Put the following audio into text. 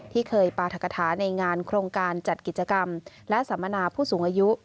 ที่เคยปราธกฐาในงานโครงการจัดกิจกรรมและสัมมนาผู้สูงอายุ